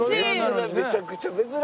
めちゃくちゃ珍しい。